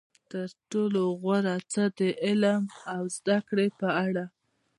تر ټولو غوره څه د علم او زده کړې په اړه.